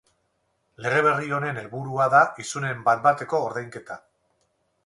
Lege berri honen helburua da isunen bat-bateko ordainketa.